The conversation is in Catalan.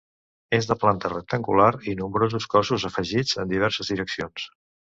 És de planta rectangular i nombrosos cossos afegits en diverses direccions.